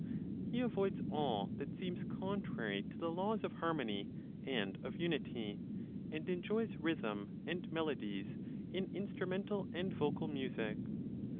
He avoids all that seems contrary to the laws of harmony and of unity, and enjoys rhythm and melodies in instrumental and vocal music.